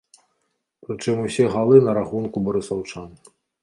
Прычым усе галы на рахунку барысаўчан.